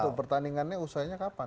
nah itu pertandingannya usahanya kapan